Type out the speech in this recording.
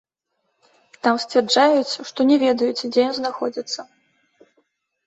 Там сцвярджаюць, што не ведаюць, дзе ён знаходзіцца.